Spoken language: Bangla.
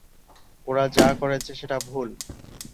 ওরা যা করেছে সেটা ভুল।